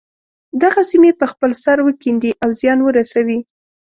دغه سیمې په خپل سر وکیندي او زیان ورسوي.